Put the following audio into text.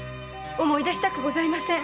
思い出したくございません！